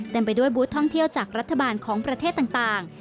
ไปด้วยบูธท่องเที่ยวจากรัฐบาลของประเทศต่าง